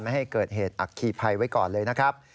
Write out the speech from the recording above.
ให้เกิดเหตุอัคคีภัยไว้ก่อนเลยนะครับ